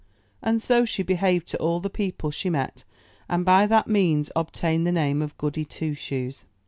And so she behaved to all the people she met, and by that means obtained the name of Goody Two Shoes.